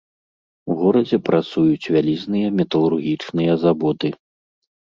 У горадзе працуюць вялізныя металургічныя заводы.